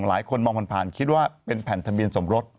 หลายคนมองผ่านคิดว่าเป็นแผ่นทะเบียนสมรส